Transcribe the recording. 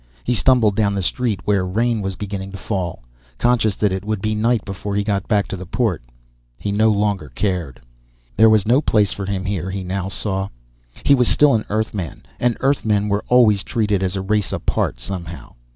He stumbled down the street, where rain was beginning to fall, conscious that it would be night before he got back to the port. He no longer cared. There was no place for him here, he now saw. He was still an Earthman, and Earthmen were always treated as a race apart somehow.